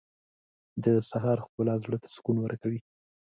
• د سهار ښکلا زړه ته سکون ورکوي.